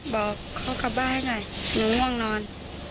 บอกเขากลับบ้านให้หน่อยหนูง่วงนอน